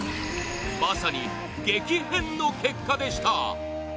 まさに激変の結果でした！